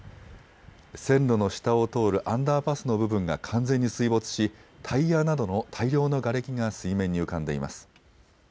線路の下を通るアンダーパスの部分が完全に水没しタイヤなどの大量のがれきが水面に浮かんでいます。